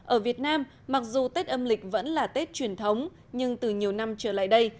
ở việt nam mặc dù tết âm lịch vẫn là tết truyền thống nhưng từ nhiều năm trở lại đây